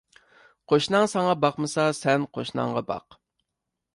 قوشناڭ ساڭا باقمىسا، سەن قوشناڭغا باق.